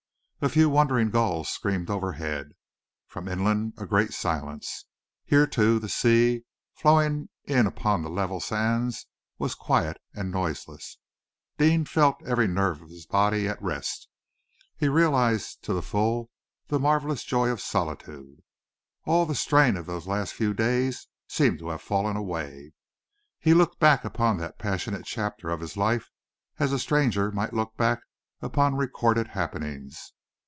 A few wandering gulls screamed overhead. From inland, a great silence. Here, too, the sea, flowing in upon the level sands, was quiet and noiseless. Deane felt every nerve of his body at rest. He realized to the full the marvelous joy of solitude. All the strain of those last few days seemed to have fallen away. He looked back upon that passionate chapter of his life as a stranger might look back upon recorded happenings.